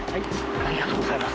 ありがとうございます。